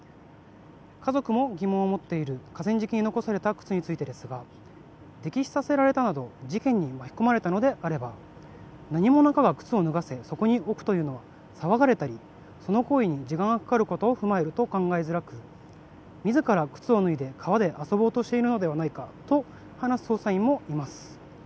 家族も疑問を持っている河川敷に残された靴についてですが溺死させられたなど事件に巻き込まれたのであれば何者かが靴を脱がせそこに置くというのは騒がれたりその行為に時間がかかることを考えると考えづらく、自ら靴を脱いで川で遊ぼうとしていたのではないかと話す捜査員もいます。